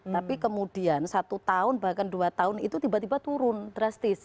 tapi kemudian satu tahun bahkan dua tahun itu tiba tiba turun drastis